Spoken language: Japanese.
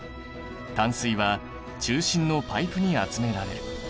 淡水は中心のパイプに集められる。